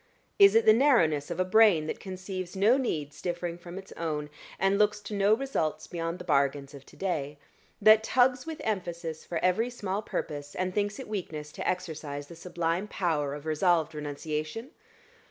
Is it the narrowness of a brain that conceives no needs differing from its own, and looks to no results beyond the bargains of to day; that tugs with emphasis for every small purpose, and thinks it weakness to exercise the sublime power of resolved renunciation?